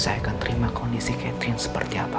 saya akan terima kondisi catherine seperti apa